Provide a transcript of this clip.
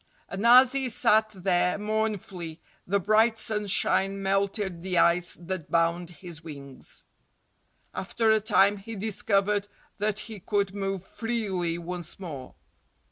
And as he sat there mournfully the bright sunshine melted the ice that bound his wings. After a time he discovered that he could move freely once more.